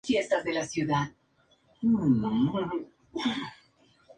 Fabrica actualmente cinco modelos de molinos y una línea de agro-partes para implementos agrícolas.